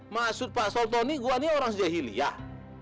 maksud pak sultoni gua nih orang jahiliah